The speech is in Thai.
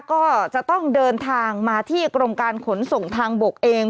ก็จะต้องเดินทางมาที่กรมการขนส่งทางบกเอง